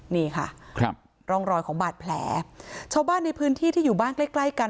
นี่ค่ะครับร่องรอยของบาดแผลชาวบ้านในพื้นที่ที่อยู่บ้านใกล้ใกล้กัน